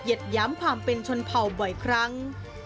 ย้ำความเป็นชนเผ่าบ่อยครั้ง